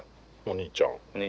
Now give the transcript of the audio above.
お兄ちゃん２３。